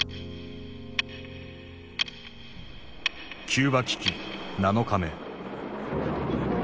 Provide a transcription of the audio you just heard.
キューバ危機７日目。